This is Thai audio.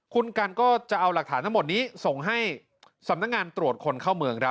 คุณกันก็จะเอาหลักฐานทั้งหมดนี้ส่งให้สำนักงานตรวจคนเข้าเมือง